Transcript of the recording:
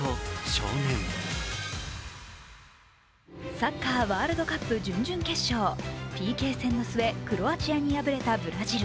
サッカーワールドカップ準々決勝、ＰＫ戦の末、クロアチアに敗れたブラジル。